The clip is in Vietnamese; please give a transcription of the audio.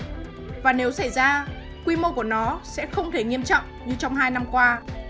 nếu sự điều chế xảy ra quy mô của nó sẽ không thể nghiêm trọng như chuyện hai năm qua